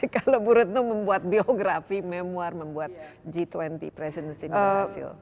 kalau bruno membuat biografi memuara membuat g dua puluh presiden indonesia